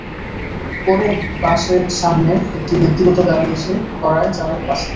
পরে বাসের সামনে একটি ব্যক্তিগত গাড়ি এসে পড়ায় চালক বাস থামান।